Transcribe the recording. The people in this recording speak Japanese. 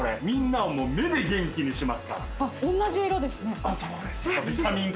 みんなを目で元気にしますから。